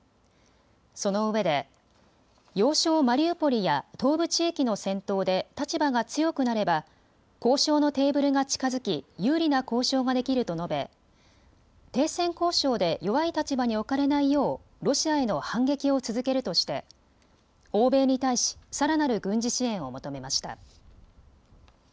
そのうえで要衝マリウポリや東部地域の戦闘で立場が強くなれば交渉のテーブルが近づき有利な交渉ができると述べ停戦交渉で弱い立場に置かれないようロシアへの反撃を続けるとして欧米に対しさらなる軍事支援を求めました。